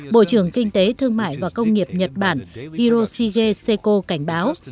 bộ trưởng kinh tế thương mại và công nghiệp nhật bản iroshige seiko cảnh báo